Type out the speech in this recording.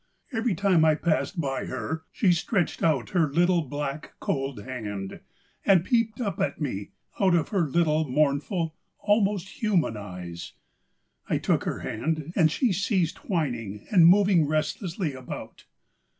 Every time I passed by her she stretched out her little, black, cold hand, and peeped up at me out of her little mournful, almost human eyes. I took her hand, and she ceased whining and moving restlessly about.